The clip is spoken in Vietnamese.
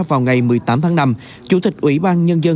vào ngày một mươi tám tháng năm